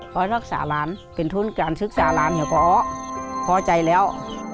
เพราะรักษาร้านเป็นทุนการศึกษาหลานอยากเอาขอใจแล้ว